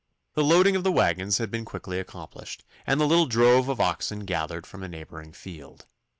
The loading of the waggons had been quickly accomplished, and the little drove of oxen gathered from a neighbouring field.